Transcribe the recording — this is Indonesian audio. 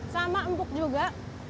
sama empuk juga